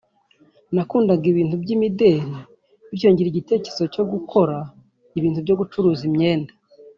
nakundaga ibintu by’imideli bityo ngira igitekerezo cyo gukora ibintu byo gucuruza imyenda